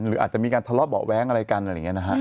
หรืออาจจะมีการทะเลาะเบาะแว้งอะไรกันอะไรอย่างนี้นะฮะ